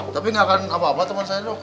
tapi gak akan apa apa teman saya dok